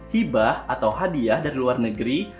hibah atau hadiah dari luar negeri